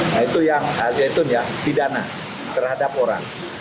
nah itu yang azzetun ya didana terhadap orang